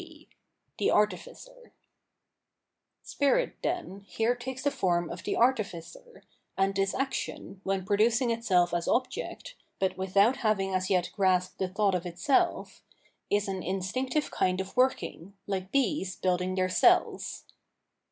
c The Artificer* Spirit, then, here takes the form of the artificer, and its action, when producing itself as object, but without having as yet grasped the thought of itself, is an instinctive kind of working, hke bees building their cells.